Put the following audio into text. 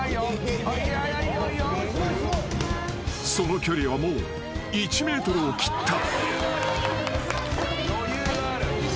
［その距離はもう１ｍを切った］